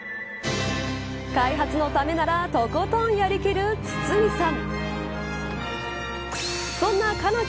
開発のためならとことんやりきる筒泉さん。